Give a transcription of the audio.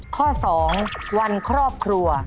ข้อ๒วันครอบครัว